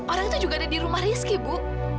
orang itu juga ada di rumah rizky bu